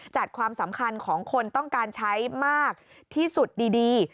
ความสำคัญของคนต้องการใช้มากที่สุดดี